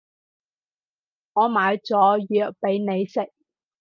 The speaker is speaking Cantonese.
我買咗藥畀你食